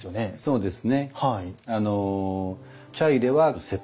そうですね